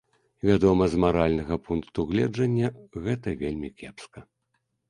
Вядома, з маральнага пункту гледжання гэта вельмі кепска.